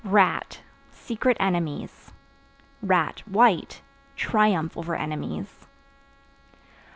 Rat Secret enemies; (white) triumph over enemies.